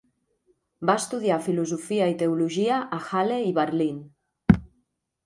Va estudiar filosofia i teologia a Halle i Berlín.